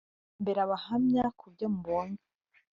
muzambera abahamya kubyo mubonye